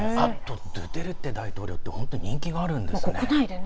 ドゥテルテ大統領って本当に人気があるんですね。